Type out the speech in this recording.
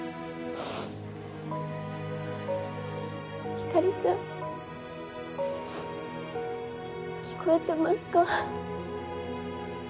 ひかりちゃん聞こえてますか？